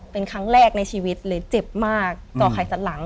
เป็นครั้งแรกในชีวิตเลยเจ็บมากจ่อไข่สันหลัง